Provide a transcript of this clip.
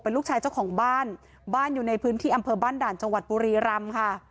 ลูกชายเจ้าของบ้านบ้านอยู่ในพื้นที่อำเภอบ้านด่านจังหวัดบุรีรำค่ะ